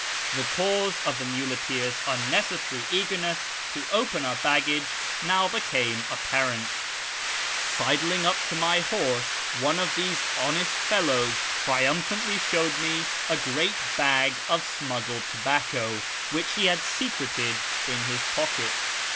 The cause of the muleteers' unnecessary eagerness to open our baggage now became apparent. Sidling up to my horse, one of these honest fellows triumphantly showed me a great bag of smuggled FROM ENGLAND TO THE PERSIAN FRONTIER 27 tobacco which he had secreted in his pocket.